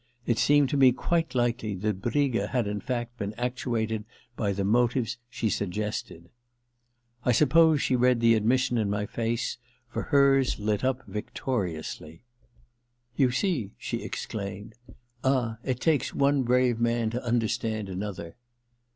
It seemed to me quite likely that Briga had in fact been actuated by the motives she suggested. I suppose she read the admission in my face, for hers lit up victoriously. * You see ?* she exclaimed. * Ah, it takes one brave man to understand another.'